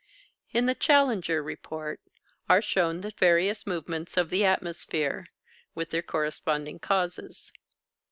In the Challenger Report are shown the various movements of the atmosphere, with their corresponding causes.